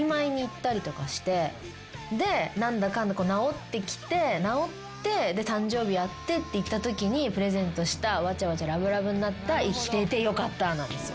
で何だかんだ治ってきて治って誕生日やってっていったときにプレゼントしたわちゃわちゃラブラブになった「生きててよかった」なんですよ。